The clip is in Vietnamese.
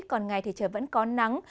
còn ngày thì trời vẫn có nắng